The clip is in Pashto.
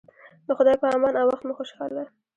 د خدای په امان او وخت مو خوشحاله